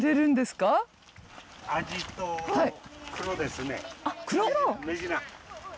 はい。